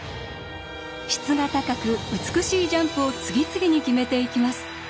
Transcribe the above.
質が高く美しいジャンプを次々に決めていきます。